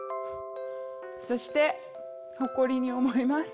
そして誇りに思います。